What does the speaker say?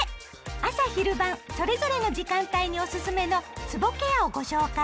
朝・昼・晩それぞれの時間帯におすすめのつぼケアをご紹介。